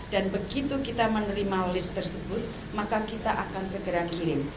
dan begitu kita menerima list tersebut maka kita akan segera kirim